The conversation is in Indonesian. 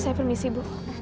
saya permisi bu